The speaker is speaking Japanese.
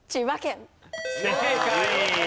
正解。